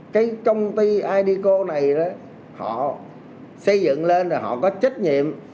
cái công ty idco này đó họ xây dựng lên rồi họ có trách nhiệm